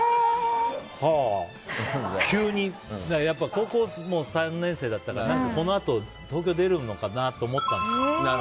高校３年生だったからこのあと東京に出るのかなと思ったんでしょうね。